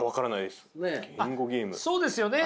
そうですよね。